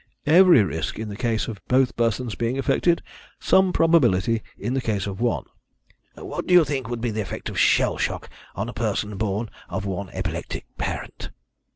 "Every risk in the case of both persons being affected; some probability in the case of one." "What do you think would be the effect of shell shock on a person born of one epileptic parent?"